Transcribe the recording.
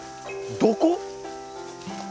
どこ？